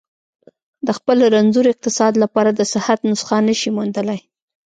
د خپل رنځور اقتصاد لپاره د صحت نسخه نه شي موندلای.